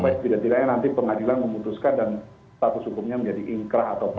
baik setidak tidaknya nanti pengadilan memutuskan dan status hukumnya menjadi inkrah atau tetap gitu ya